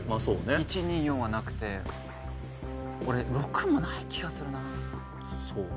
１２４はなくて俺６もない気がするなそうね